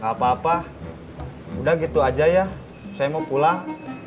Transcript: gak apa apa udah gitu aja ya saya mau pulang